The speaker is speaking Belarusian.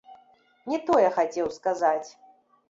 Не тое хацеў сказаць!